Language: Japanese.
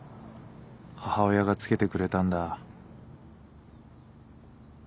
母親が付けてくれたんだ。